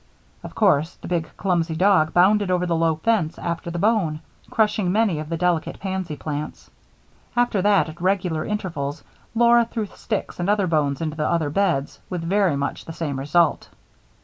Of course, the big clumsy dog bounded over the low fence after the bone, crushing many of the delicate pansy plants. After that at regular intervals, Laura threw sticks and other bones into the other beds with very much the same result.